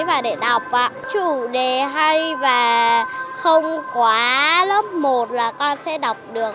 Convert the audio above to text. và để đọc chủ đề hay và không quá lớp một là con sẽ đọc được